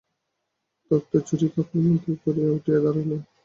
তপ্ত ছুরি খাপের মধ্যে পুরিয়া উঠিয়া দাঁড়াইলেন।